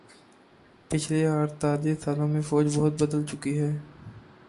پچھلے اڑتالیس سالوں میں فوج بہت بدل چکی ہے